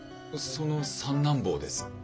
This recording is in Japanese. その三男坊です。